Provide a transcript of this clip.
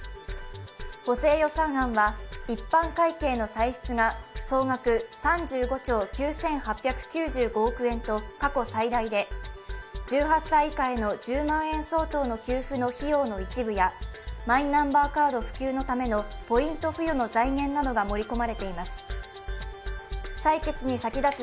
補正予算案は一般会計の歳出が総額３５兆９８９５億円と過去最大で１８歳以下への１０万円相当の給付の費用の一部やマイナンバーカード普及のためのポイント付与の財源などが盛り込まれています。